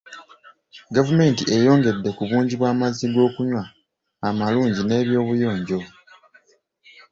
Gavumenti eyongedde ku bungi bw'amazzi g'okunywa amalungi n'ebyobuyonjo.